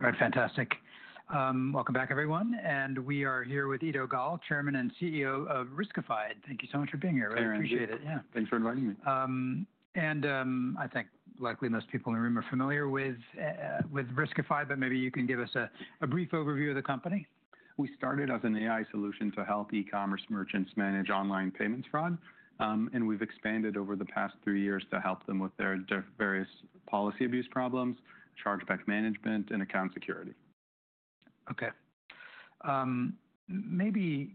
All right, fantastic. Welcome back, everyone. We are here with Eido Gal, Chairman and CEO of Riskified. Thank you so much for being here. I really appreciate it. Thanks for inviting me. I think likely most people in the room are familiar with Riskified, but maybe you can give us a brief overview of the company. We started as an AI solution to help e-commerce merchants manage online payments fraud. We have expanded over the past three years to help them with their various policy abuse problems, chargeback management, and account security. OK. Maybe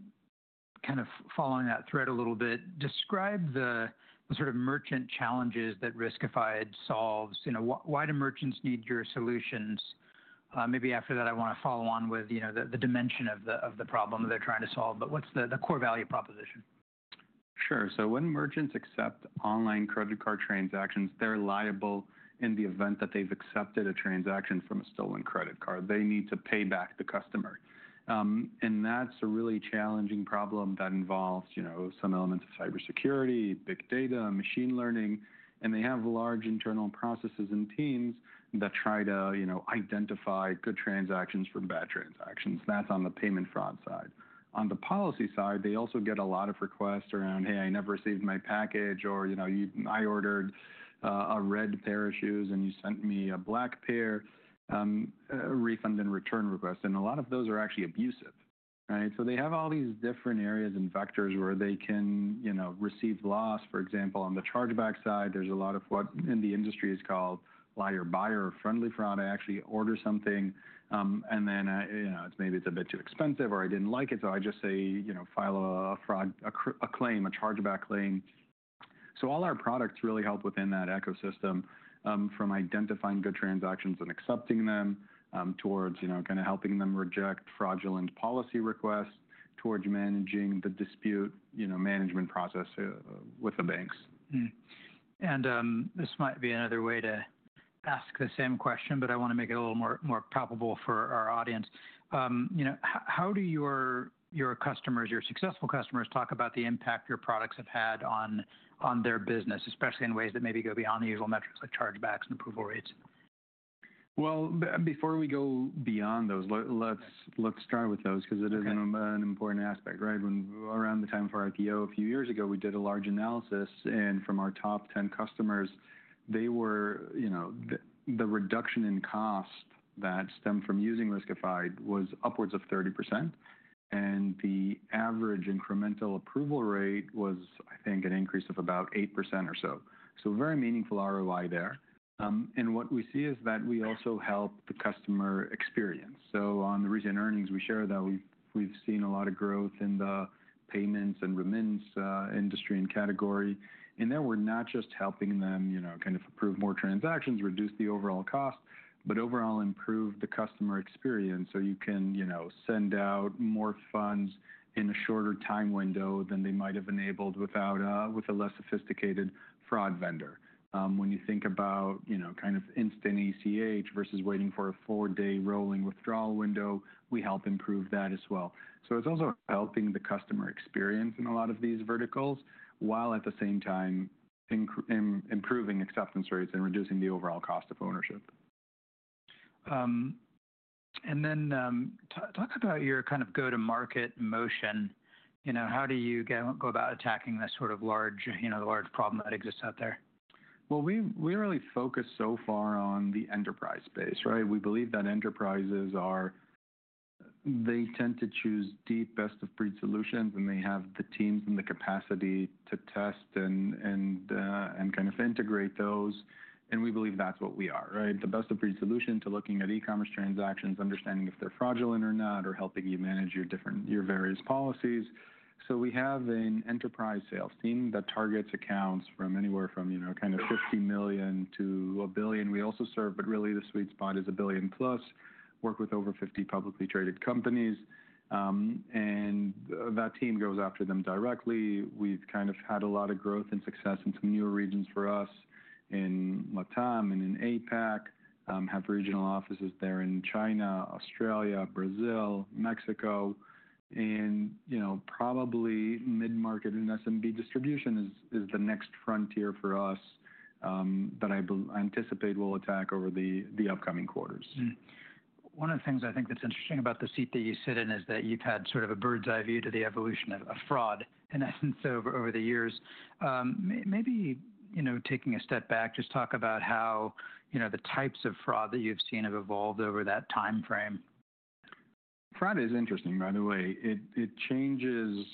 kind of following that thread a little bit, describe the sort of merchant challenges that Riskified solves. Why do merchants need your solutions? Maybe after that, I want to follow on with the dimension of the problem that they're trying to solve. What is the core value proposition? Sure. When merchants accept online credit card transactions, they're liable in the event that they've accepted a transaction from a stolen Credit Card. They need to pay back the customer. That's a really challenging problem that involves some elements of CyberSecurity, big data, machine learning. They have large internal processes and teams that try to identify good transactions from bad transactions. That's on the payment fraud side. On the policy side, they also get a lot of requests around, hey, I never received my package, or I ordered a red pair of shoes, and you sent me a black pair, refund and return request. A lot of those are actually abusive. They have all these different areas and vectors where they can receive loss. For example, on the chargeback side, there's a lot of what in the industry is called liar buyer or friendly fraud. I actually order something, and then maybe it's a bit too expensive, or I didn't like it, so I just say, file a claim, a chargeback claim. All our products really help within that ecosystem, from identifying good transactions and accepting them towards kind of helping them reject fraudulent policy requests, towards managing the dispute management process with the banks. This might be another way to ask the same question, but I want to make it a little more palpable for our audience. How do your customers, your successful customers, talk about the impact your products have had on their business, especially in ways that maybe go beyond the usual metrics like chargebacks and approval rates? Before we go beyond those, let's start with those because it is an important aspect. Around the time of our IPO a few years ago, we did a large analysis. From our top 10 customers, the reduction in cost that stemmed from using Riskified was upwards of 30%. The average incremental approval rate was, I think, an increase of about 8% or so. Very meaningful ROI there. What we see is that we also help the customer experience. On the recent earnings, we share that we've seen a lot of growth in the payments and remittance industry and category. There we're not just helping them kind of approve more transactions, reduce the overall cost, but overall improve the customer experience. You can send out more funds in a shorter time window than they might have enabled with a less sophisticated fraud vendor. When you think about kind of instant ACH versus waiting for a four-day rolling withdrawal window, we help improve that as well. It is also helping the customer experience in a lot of these verticals, while at the same time improving acceptance rates and reducing the overall cost of ownership. Talk about your kind of go-to-market motion. How do you go about attacking this sort of large problem that exists out there? We really focus so far on the enterprise space. We believe that enterprises, they tend to choose deep best-of-breed solutions, and they have the teams and the capacity to test and kind of integrate those. We believe that's what we are, the best-of-breed solution to looking at e-commerce transactions, understanding if they're fraudulent or not, or helping you manage your various policies. We have an enterprise sales team that targets accounts from anywhere from $50 million to $1 billion. We also serve, but really the sweet spot is $1 billion plus, work with over 50 publicly traded companies. That team goes after them directly. We've kind of had a lot of growth and success in some new regions for us in Latam and in APAC, have regional offices there in China, Australia, Brazil, Mexico. Probably mid-market in SMB distribution is the next frontier for us that I anticipate we'll attack over the upcoming quarters. One of the things I think that's interesting about the seat that you sit in is that you've had sort of a bird's eye view to the evolution of fraud and so over the years. Maybe taking a step back, just talk about how the types of fraud that you've seen have evolved over that time frame. Fraud is interesting, by the way. It changes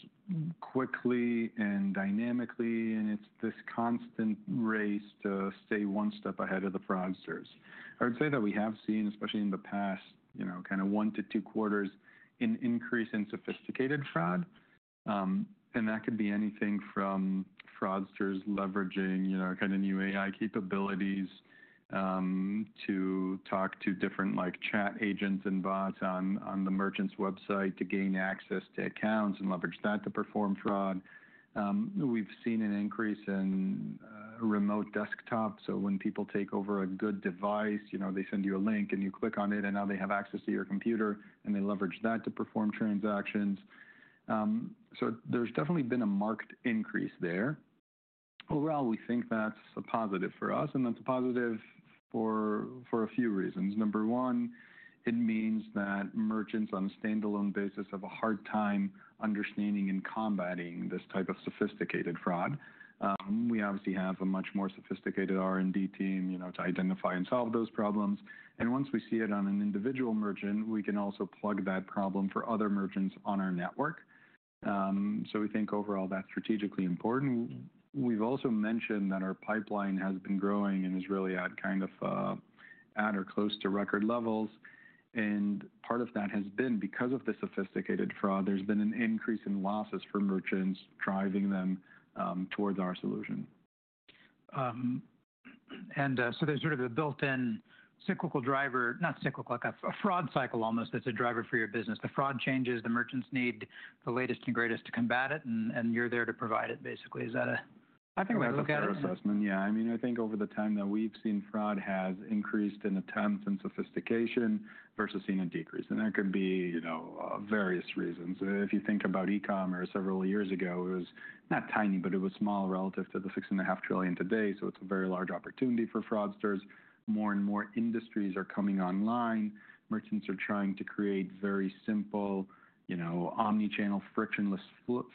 quickly and dynamically. It is this constant race to stay one step ahead of the fraudsters. I would say that we have seen, especially in the past kind of one to two quarters, an increase in sophisticated fraud. That could be anything from fraudsters leveraging kind of new AI capabilities to talk to different chat agents and bots on the merchant's website to gain access to accounts and leverage that to perform fraud. We have seen an increase in remote desktop. When people take over a good device, they send you a link, and you click on it, and now they have access to your computer. They leverage that to perform transactions. There has definitely been a marked increase there. Overall, we think that is a positive for us. That is a positive for a few reasons. Number one, it means that merchants on a standalone basis have a hard time understanding and combating this type of sophisticated fraud. We obviously have a much more sophisticated R&D team to identify and solve those problems. Once we see it on an individual merchant, we can also plug that problem for other merchants on our network. We think overall that's strategically important. We've also mentioned that our pipeline has been growing and is really at or close to record levels. Part of that has been because of the sophisticated fraud, there's been an increase in losses for merchants driving them towards our solution. There is sort of a built-in cyclical driver, not cyclical, like a fraud cycle almost that is a driver for your business. The fraud changes, the merchants need the latest and greatest to combat it, and you are there to provide it, basically. Is that a? I think that's a fair assessment, yeah. I mean, I think over the time that we've seen, fraud has increased in attempts and sophistication versus seen a decrease. There can be various reasons. If you think about e-commerce several years ago, it was not tiny, but it was small relative to the $6.5 trillion today. It's a very large opportunity for fraudsters. More and more industries are coming online. Merchants are trying to create very simple omnichannel frictionless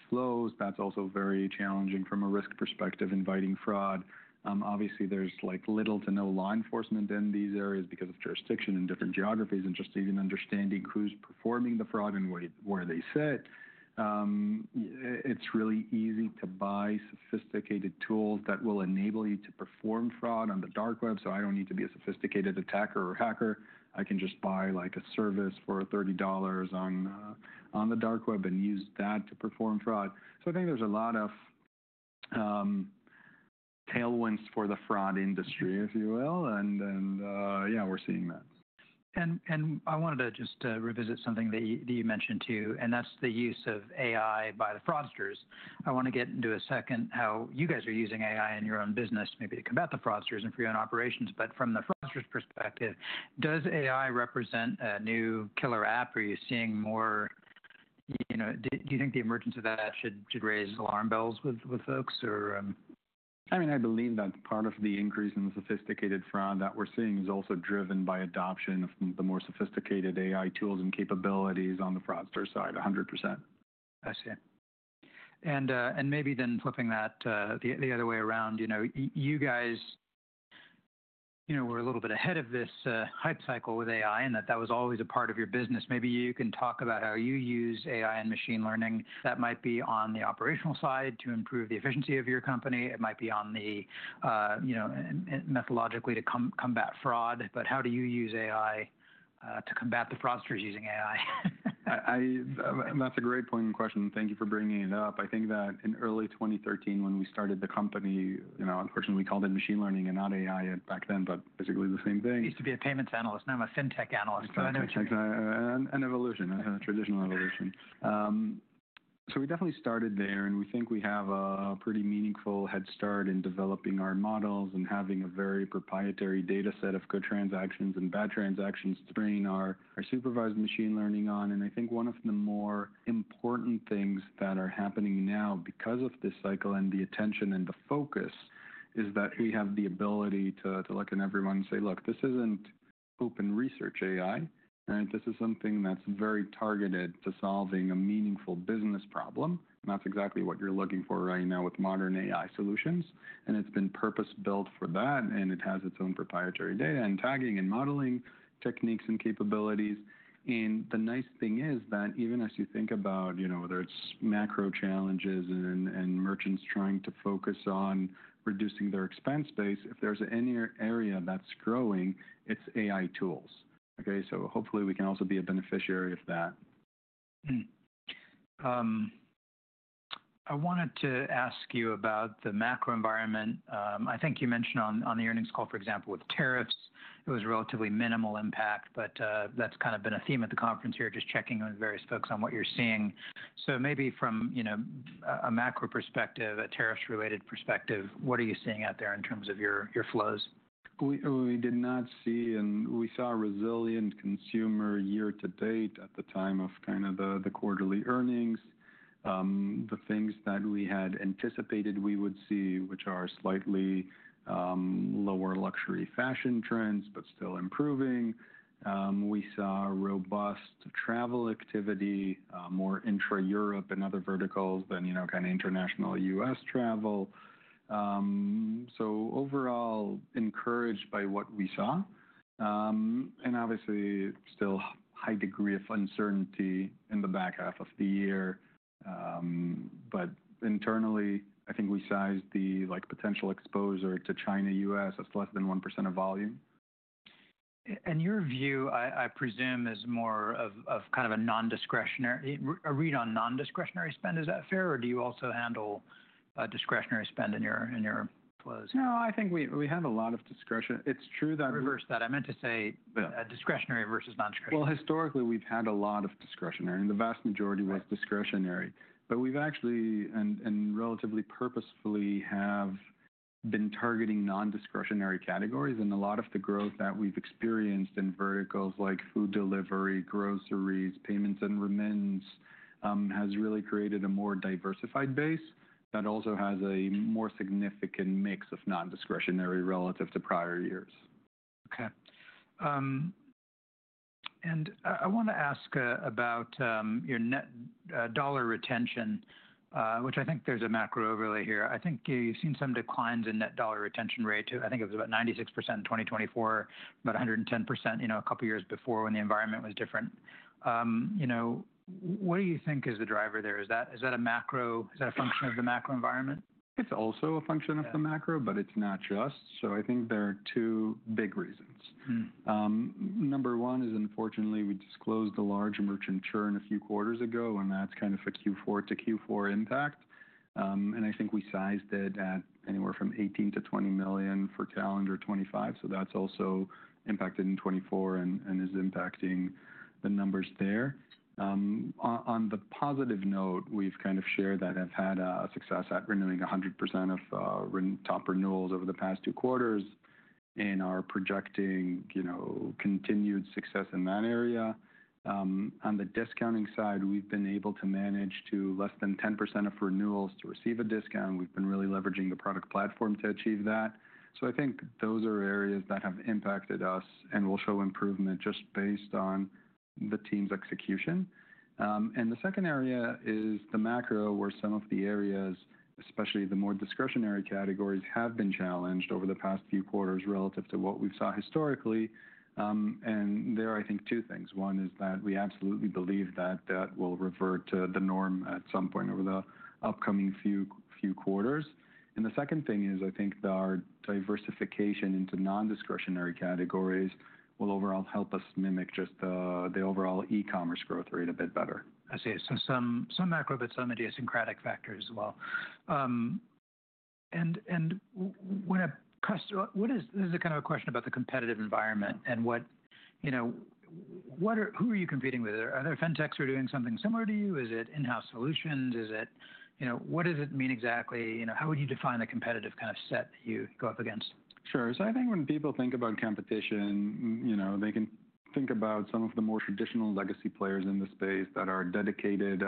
flows. That's also very challenging from a risk perspective, inviting fraud. Obviously, there's little to no law enforcement in these areas because of jurisdiction in different geographies and just even understanding who's performing the fraud and where they sit. It's really easy to buy sophisticated tools that will enable you to perform fraud on the dark web. I don't need to be a sophisticated attacker or hacker. I can just buy a service for $30 on the dark web and use that to perform fraud. I think there's a lot of tailwinds for the fraud industry, if you will. And yeah, we're seeing that. I wanted to just revisit something that you mentioned, too. That is the use of AI by the Fraudsters. I want to get into in a second how you guys are using AI in your own business, maybe to combat the fraudsters and for your own operations. From the fraudsters' perspective, does AI represent a new killer app? Are you seeing more? Do you think the emergence of that should raise alarm bells with folks? I mean, I believe that part of the increase in the sophisticated fraud that we're seeing is also driven by adoption of the more sophisticated AI tools and capabilities on the fraudster side, 100%. I see. Maybe then flipping that the other way around, you guys were a little bit ahead of this Hype Cycle with AI, and that was always a part of your business. Maybe you can talk about how you use AI and machine learning. That might be on the operational side to improve the efficiency of your company. It might be methodologically to combat fraud. How do you use AI to combat the fraudsters using AI? That's a great point in question. Thank you for bringing it up. I think that in early 2013, when we started the company, unfortunately, we called it machine learning and not AI back then, but basically the same thing. Used to be a Payments Analyst. Now I'm a Fintech Analyst. Fintech and evolution, traditional evolution. We definitely started there. We think we have a pretty meaningful head start in developing our models and having a very proprietary data set of good transactions and bad transactions to train our supervised machine learning on. I think one of the more important things that are happening now because of this cycle and the attention and the focus is that we have the ability to look at everyone and say, look, this is not open research AI. This is something that is very targeted to solving a meaningful business problem. That is exactly what you are looking for right now with modern AI solutions. It has been purpose-built for that. It has its own proprietary data and tagging and modeling techniques and capabilities. The nice thing is that even as you think about whether it's macro challenges and merchants trying to focus on reducing their expense base, if there's any area that's growing, it's AI tools. Hopefully, we can also be a beneficiary of that. I wanted to ask you about the macro environment. I think you mentioned on the earnings call, for example, with tariffs, it was relatively minimal impact. That has kind of been a theme at the conference here, just checking with various folks on what you're seeing. Maybe from a macro perspective, a Tariffs-related perspective, what are you seeing out there in terms of your flows? We did not see, and we saw a resilient consumer year to date at the time of kind of the quarterly earnings, the things that we had anticipated we would see, which are slightly lower luxury fashion trends, but still improving. We saw robust travel activity, more intra-Europe and other verticals than kind of international U.S. travel. Overall, encouraged by what we saw. Obviously, still high degree of uncertainty in the back half of the year. Internally, I think we sized the potential exposure to China-U.S. as less than 1% of volume. Your view, I presume, is more of kind of a non-discretionary read on non-discretionary spend. Is that fair? Or do you also handle discretionary spend in your flows? No, I think we have a lot of discretion. It's true that. Reverse that. I meant to say discretionary versus non-discretionary. Historically, we've had a lot of discretionary. The vast majority was discretionary. We've actually and relatively purposefully have been targeting non-discretionary categories. A lot of the growth that we've experienced in verticals like food delivery, groceries, payments and remittance has really created a more diversified base that also has a more significant mix of non-discretionary relative to prior years. OK. I want to ask about your net dollar retention, which I think there's a macro overlay here. I think you've seen some declines in net dollar retention rate. I think it was about 96% in 2024, about 110% a couple of years before when the environment was different. What do you think is the driver there? Is that a macro? Is that a function of the Macro Environment? It's also a function of the macro, but it's not just. I think there are two big reasons. Number one is, unfortunately, we disclosed a large merchant churn a few quarters ago. That's kind of a Q4 to Q4 impact. I think we sized it at anywhere from $18 million-$20 million for calendar 2025. That's also impacted in 2024 and is impacting the numbers there. On a positive note, we've kind of shared that I've had success at renewing 100% of top renewals over the past two quarters and are projecting continued success in that area. On the discounting side, we've been able to manage to less than 10% of renewals to receive a discount. We've been really leveraging the product platform to achieve that. I think those are areas that have impacted us and will show improvement just based on the team's execution. The second area is the macro, where some of the areas, especially the more discretionary categories, have been challenged over the past few quarters relative to what we've saw historically. There are, I think, two things. One is that we absolutely believe that that will revert to the norm at some point over the upcoming few quarters. The second thing is, I think that our diversification into non-discretionary categories will overall help us mimic just the overall e-commerce growth rate a bit better. I see. Some macro, but some idiosyncratic factors as well. This is a kind of a question about the competitive environment. Who are you competing with? Are there fintechs who are doing something similar to you? Is it in-house solutions? What does it mean exactly? How would you define a competitive kind of set that you go up against? Sure. I think when people think about competition, they can think about some of the more traditional legacy players in the space that are dedicated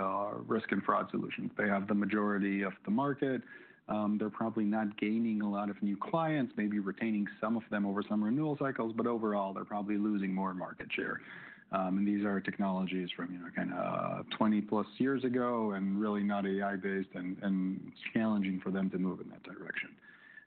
risk and fraud solutions. They have the majority of the market. They're probably not gaining a lot of new clients, maybe retaining some of them over some renewal cycles. Overall, they're probably losing more market share. These are technologies from kind of 20-plus years ago and really not AI-based and challenging for them to move in that direction.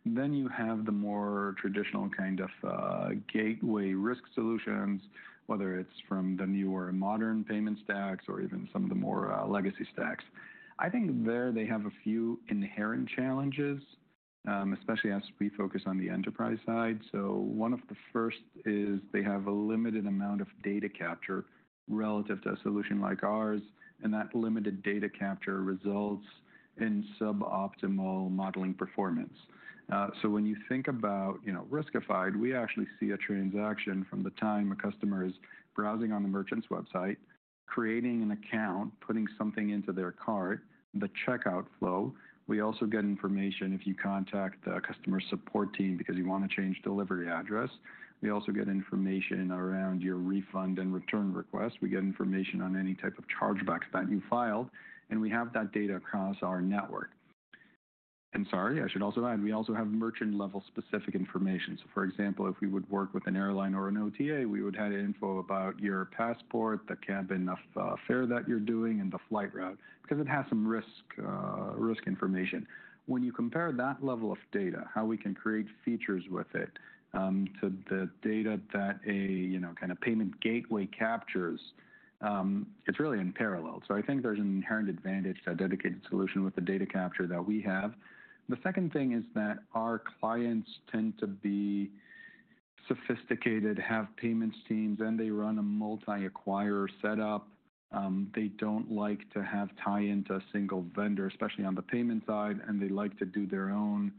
You have the more traditional kind of gateway risk solutions, whether it's from the newer modern payment stacks or even some of the more legacy stacks. I think there they have a few inherent challenges, especially as we focus on the enterprise side. One of the first is they have a limited amount of data capture relative to a solution like ours. That limited data capture results in suboptimal modeling performance. When you think about Riskified, we actually see a transaction from the time a customer is browsing on the merchant's website, creating an account, putting something into their cart, the checkout flow. We also get information if you contact the customer support team because you want to change delivery address. We also get information around your refund and return request. We get information on any type of chargebacks that you filed. We have that data across our network. Sorry, I should also add, we also have merchant-level specific information. For example, if we would work with an airline or an OTA, we would have info about your passport, the cabin affair that you're doing, and the flight route because it has some risk information. When you compare that level of data, how we can create features with it to the data that a kind of payment gateway captures, it is really in parallel. I think there is an inherent advantage to a dedicated solution with the data capture that we have. The second thing is that our clients tend to be sophisticated, have payments teams, and they run a multi-acquirer setup. They do not like to have tie-in to a single vendor, especially on the payment side. They like to do their own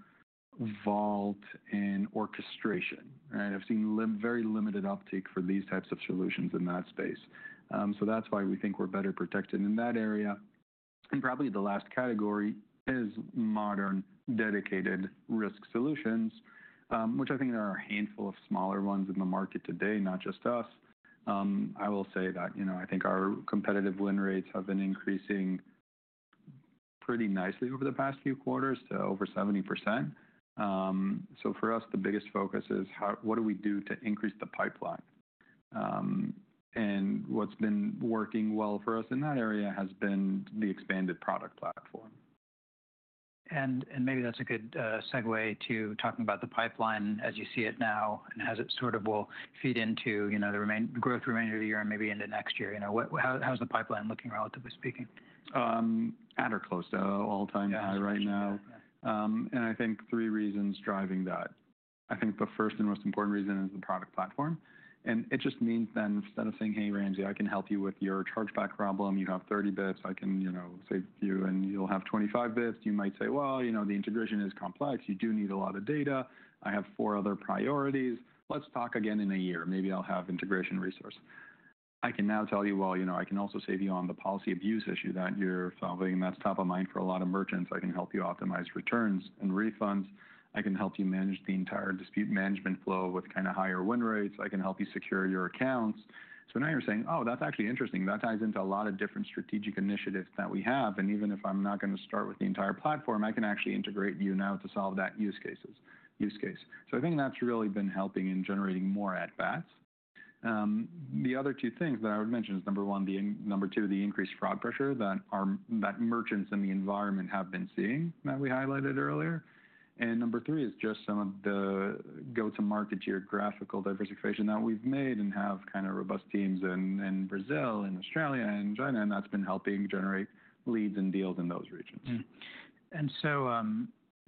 vault and orchestration. I have seen very limited uptake for these types of solutions in that space. That is why we think we are better protected in that area. Probably the last category is modern dedicated risk solutions, which I think there are a handful of smaller ones in the market today, not just us. I will say that I think our competitive win rates have been increasing pretty nicely over the past few quarters to over 70%. For us, the biggest focus is what do we do to increase the pipeline? What's been working well for us in that area has been the expanded product platform. Maybe that's a good segue to talking about the pipeline as you see it now and as it sort of will feed into the growth remainder of the year and maybe into next year. How's the pipeline looking, relatively speaking? At or close to all-time high right now. I think three reasons driving that. I think the first and most important reason is the product platform. It just means then instead of saying, hey, Ramsey, I can help you with your chargeback problem. You have 30 basis points. I can save you, and you'll have 25 basis points. You might say, the integration is complex. You do need a lot of data. I have four other priorities. Let's talk again in a year. Maybe I'll have integration resource. I can now tell you, I can also save you on the policy abuse issue that you're solving. That's top of mind for a lot of merchants. I can help you optimize returns and refunds. I can help you manage the entire dispute management flow with kind of higher win rates. I can help you secure your accounts. Now you're saying, oh, that's actually interesting. That ties into a lot of different strategic initiatives that we have. Even if I'm not going to start with the entire platform, I can actually integrate you now to solve that use case. I think that's really been helping in generating more at-bats. The other two things that I would mention are, number two, the increased fraud pressure that merchants in the environment have been seeing that we highlighted earlier. Number three is just some of the go-to-market geographical diversification that we've made and have kind of robust teams in Brazil, in Australia, and China. That's been helping generate leads and deals in those regions.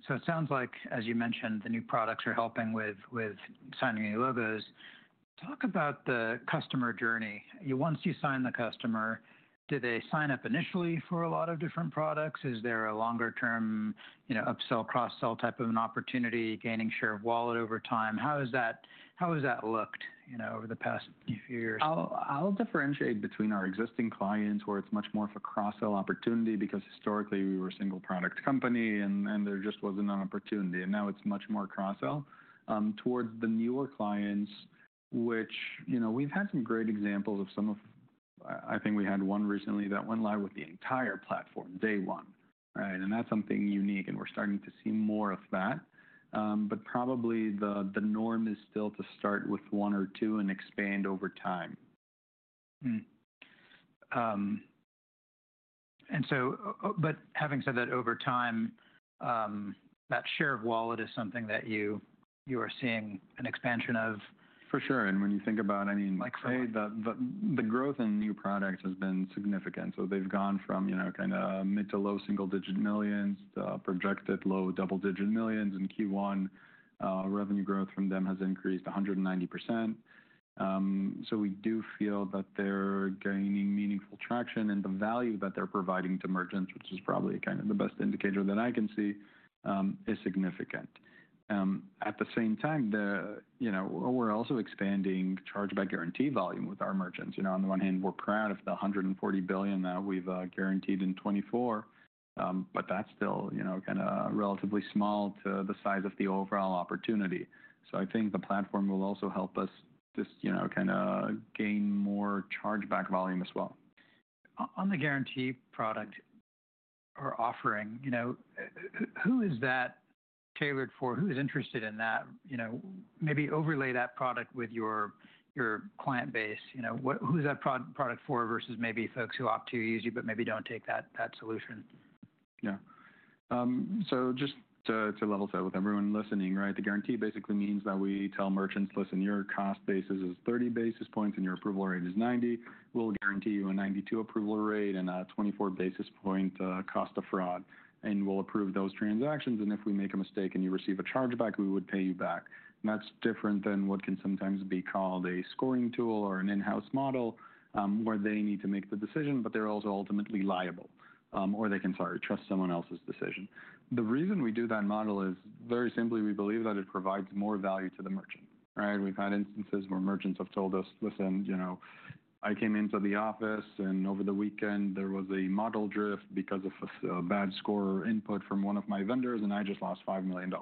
It sounds like, as you mentioned, the new products are helping with signing your logos. Talk about the customer journey. Once you sign the customer, do they sign up initially for a lot of different products? Is there a longer-term upsell, cross-sell type of an opportunity, gaining share of wallet over time? How has that looked over the past few years? I'll differentiate between our existing clients where it's much more of a cross-sell opportunity because historically, we were a single product company. There just wasn't an opportunity. Now it's much more cross-sell towards the newer clients, which we've had some great examples of some of. I think we had one recently that went live with the entire platform day one. That's something unique. We're starting to see more of that. Probably the norm is still to start with one or two and expand over time. Having said that, over time, that share of wallet is something that you are seeing an expansion of? For sure. When you think about, I mean, the growth in new products has been significant. They have gone from kind of mid to low single-digit millions to projected low double-digit millions. Q1 revenue growth from them has increased 190%. We do feel that they are gaining meaningful traction. The value that they are providing to merchants, which is probably kind of the best indicator that I can see, is significant. At the same time, we are also expanding Chargeback Guarantee volume with our merchants. On the one hand, we are proud of the $140 billion that we have guaranteed in 2024. That is still kind of relatively small compared to the size of the overall opportunity. I think the platform will also help us just kind of gain more chargeback volume as well. On the guarantee product or offering, who is that tailored for? Who is interested in that? Maybe overlay that product with your client base. Who is that product for versus maybe folks who opt to use you but maybe do not take that solution? Yeah. Just to level set with everyone listening, the guarantee basically means that we tell merchants, listen, your cost basis is 30 basis points and your approval rate is 90%. We'll guarantee you a 92% approval rate and a 24 basis point cost of fraud. We'll approve those transactions. If we make a mistake and you receive a chargeback, we would pay you back. That is different than what can sometimes be called a scoring tool or an in-house model where they need to make the decision, but they're also ultimately liable. Or they can trust someone else's decision. The reason we do that model is very simply, we believe that it provides more value to the merchant. We've had instances where merchants have told us, listen, I came into the office. Over the weekend, there was a model drift because of a bad score input from one of my vendors. I just lost $5 million.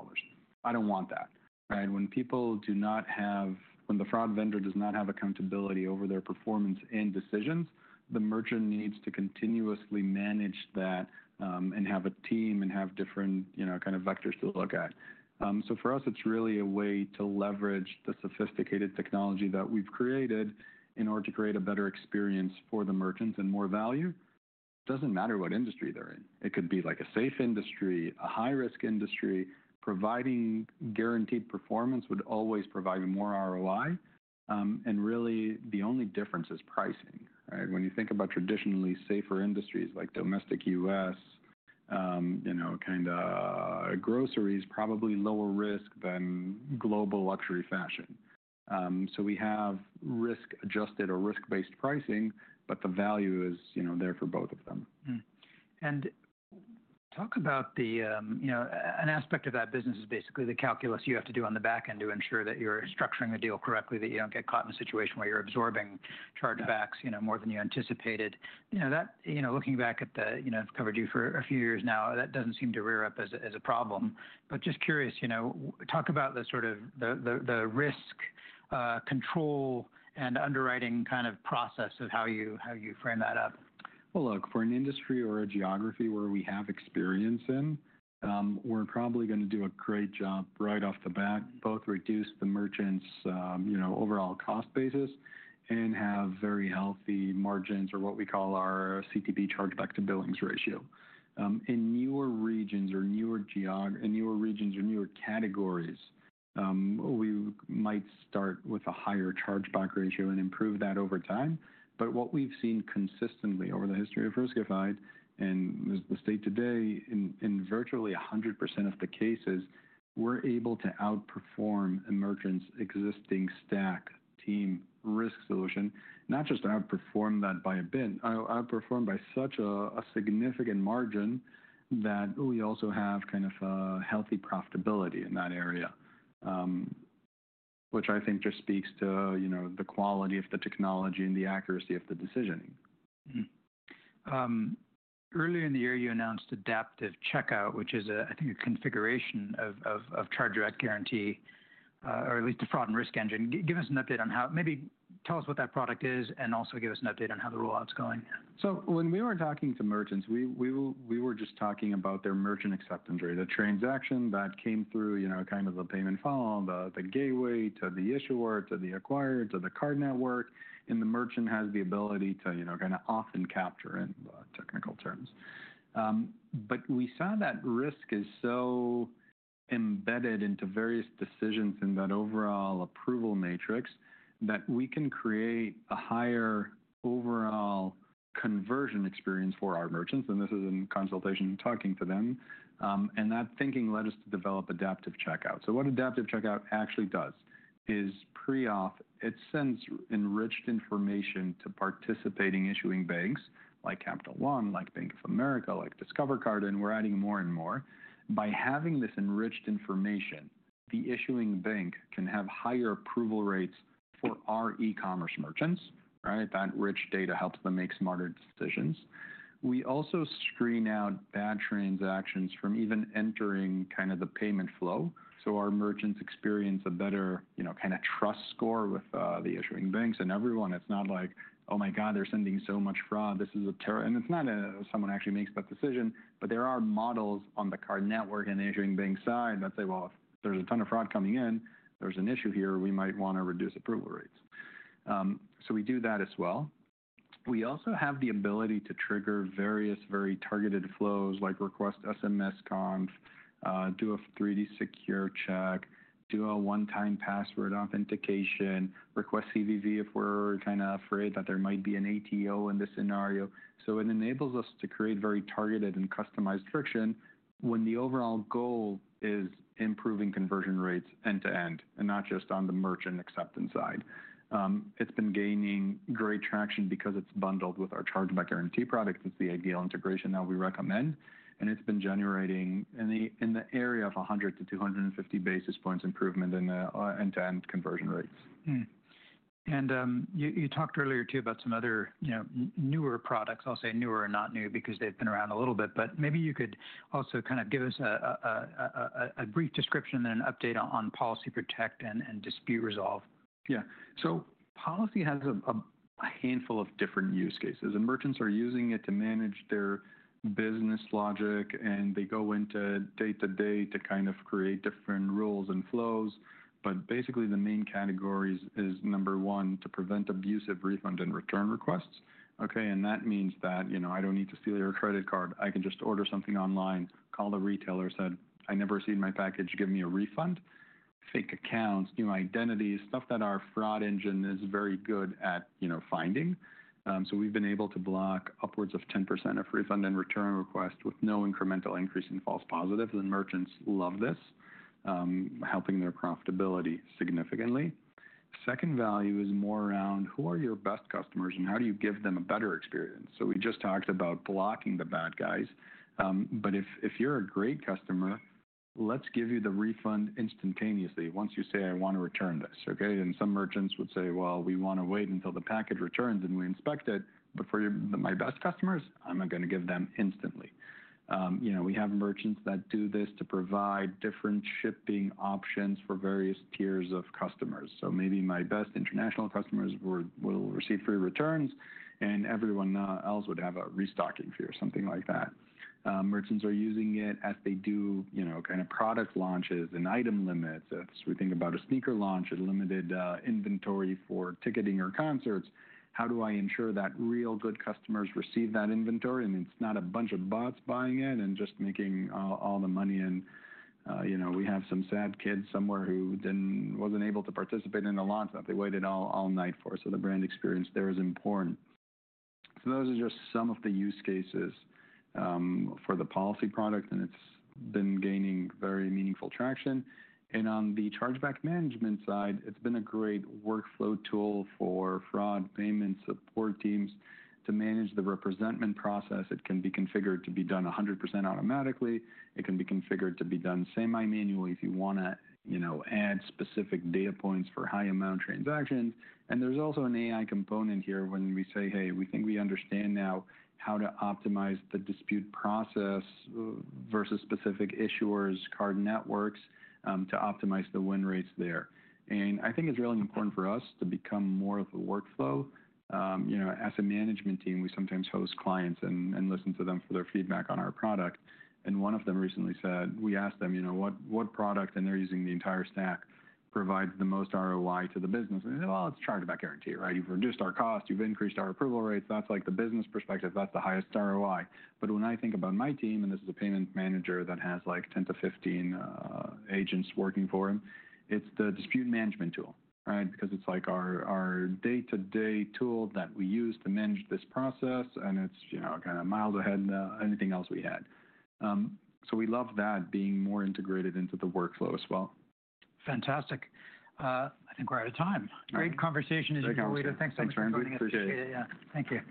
I do not want that. When people do not have, when the fraud vendor does not have accountability over their performance and decisions, the merchant needs to continuously manage that and have a team and have different kind of vectors to look at. For us, it is really a way to leverage the sophisticated technology that we have created in order to create a better experience for the merchants and more value. It does not matter what industry they are in. It could be like a safe industry, a high-risk industry. Providing guaranteed performance would always provide more ROI. Really, the only difference is pricing. When you think about traditionally safer industries like domestic U.S., kind of groceries, probably lower risk than Global Luxury Fashion. We have Risk-adjusted or Risk-based pricing, but the value is there for both of them. Talk about an aspect of that business is basically the calculus you have to do on the back end to ensure that you're structuring the deal correctly, that you don't get caught in a situation where you're absorbing chargebacks more than you anticipated. Looking back at the I've covered you for a few years now. That doesn't seem to rear up as a problem. Just curious, talk about the sort of the risk control and underwriting kind of process of how you frame that up. For an industry or a geography where we have experience in, we're probably going to do a great job right off the bat. Both reduce the merchant's overall cost basis and have very healthy margins or what we call our CTB chargeback to billings ratio. In newer regions or newer categories, we might start with a higher chargeback ratio and improve that over time. What we've seen consistently over the history of Riskified and the state today, in virtually 100% of the cases, we're able to outperform a merchant's existing stack team risk solution, not just outperform that by a bit, outperform by such a significant margin that we also have kind of a healthy profitability in that area, which I think just speaks to the quality of the technology and the accuracy of the decision. Earlier in the year, you announced Adaptive Checkout, which is, I think, a configuration of Chargeback Guarantee or at least a fraud and risk engine. Give us an update on how, maybe tell us what that product is and also give us an update on how the rollout's going. When we were talking to merchants, we were just talking about their merchant acceptance rate, a transaction that came through kind of the payment funnel, the gateway to the issuer, to the acquirer, to the card network. The merchant has the ability to kind of often capture in technical terms. We saw that risk is so embedded into various decisions in that overall approval matrix that we can create a higher overall conversion experience for our merchants. This is in consultation talking to them. That thinking led us to develop Adaptive Checkout. What Adaptive Checkout actually does is pre-auth. It sends enriched information to participating issuing banks like Capital One, like Bank of America, like Discover Card. We are adding more and more. By having this enriched information, the issuing bank can have higher approval rates for our e-Commerce merchants. That rich data helps them make smarter decisions. We also screen out bad transactions from even entering kind of the payment flow. Our merchants experience a better kind of trust score with the issuing banks and everyone. It's not like, oh my god, they're sending so much fraud. This is a terror. It's not someone actually makes that decision. There are models on the card network and the issuing bank side that say, well, if there's a ton of fraud coming in, there's an issue here. We might want to reduce approval rates. We do that as well. We also have the ability to trigger various very targeted flows like request SMS confirmation, do a 3D Secure check, do a one-time password authentication, request CVV if we're kind of afraid that there might be an ATO in this scenario. It enables us to create very targeted and customized friction when the overall goal is improving conversion rates end to end and not just on the merchant acceptance side. It's been gaining great traction because it's bundled with our Chargeback Guarantee product. It's the ideal integration that we recommend. It's been generating in the area of 100-250 basis points improvement in the end-to-end conversion rates. You talked earlier too about some other newer products. I'll say newer and not new because they've been around a little bit. Maybe you could also kind of give us a brief description and an update on Policy Protect and Dispute Resolve. Yeah. Policy has a handful of different use cases. Merchants are using it to manage their business logic. They go into day-to-day to kind of create different rules and flows. Basically, the main category is, number one, to prevent abusive refund and return requests. That means that I do not need to steal your Credit Card. I can just order something online, call the retailer, say I never received my package, give me a refund. Fake accounts, new identities, stuff that our fraud engine is very good at finding. We have been able to block upwards of 10% of refund and return requests with no incremental increase in false positives. Merchants love this, helping their profitability significantly. The second value is more around who are your best customers and how do you give them a better experience. We just talked about blocking the bad guys. If you're a great customer, let's give you the refund instantaneously once you say, I want to return this. Some merchants would say, we want to wait until the package returns and we inspect it. For my best customers, I'm going to give them instantly. We have merchants that do this to provide different shipping options for various tiers of customers. Maybe my best international customers will receive free returns, and everyone else would have a restocking fee or something like that. Merchants are using it as they do kind of product launches and item limits. If we think about a sneaker launch, a limited inventory for ticketing or concerts, how do I ensure that real good customers receive that inventory? It's not a bunch of bots buying it and just making all the money. We have some sad kids somewhere who were not able to participate in the launch that they waited all night for. The brand experience there is important. Those are just some of the use cases for the policy product. It has been gaining very meaningful traction. On the chargeback management side, it has been a great workflow tool for fraud payment support teams to manage the representment process. It can be configured to be done 100% automatically. It can be configured to be done semi-manually if you want to add specific data points for high-amount transactions. There is also an AI component here when we say, hey, we think we understand now how to optimize the dispute process versus specific issuers' card networks to optimize the win rates there. I think it is really important for us to become more of a workflow. As a management team, we sometimes host clients and listen to them for their feedback on our product. One of them recently said, we asked them what product, and they're using the entire stack, provides the most ROI to the business. They said, it's Chargeback Guarantee. You've reduced our cost. You've increased our approval rates. That's like the business perspective. That's the highest ROI. When I think about my team, and this is a payment manager that has like 10 to 15 agents working for him, it's the dispute management tool because it's like our day-to-day tool that we use to manage this process. It's kind of miles ahead than anything else we had. We love that being more integrated into the workflow as well. Fantastic. I think we're out of time. Great conversation as you go, Eido. Thanks so much for joining us. Thanks. I really appreciate it. Yeah. Thank you.